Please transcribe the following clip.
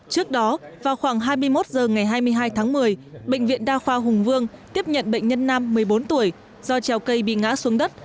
trước đó vào khoảng hai mươi một h ngày hai mươi hai tháng một mươi bệnh viện đa khoa hùng vương tiếp nhận bệnh nhân nam một mươi bốn tuổi do trèo cây bị ngã xuống đất